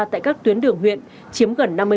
tại các tuyến đường huyện chiếm gần năm mươi